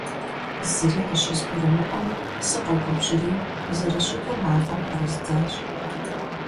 Зыри къыщызгурымыӀуэм сыкъэгубжьри, зэрыщыту мафӀэм пэрыздзащ.